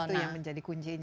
itu yang menjadi kunjinya